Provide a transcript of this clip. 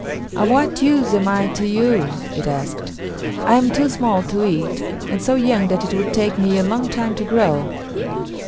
"Of what use am I to you?" it asked. "I am too small to eat, and so young that it will take me a long time to grow.